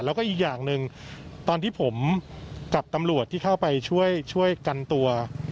แล้วก็อีกอย่างหนึ่งตอนที่ผมกับตำรวจที่เข้าไปช่วยกันตัว